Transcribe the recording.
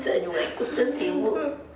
saya juga ikut jantimu